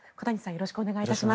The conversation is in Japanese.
よろしくお願いします。